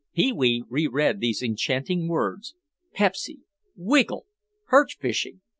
Pee wee reread these enchanting words. Pepsy! Wiggle! Perch fishing!